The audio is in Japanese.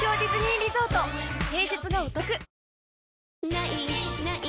「ない！ない！